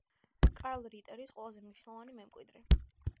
კარლ რიტერის ყველაზე მნიშვნელოვანი მემკვიდრე.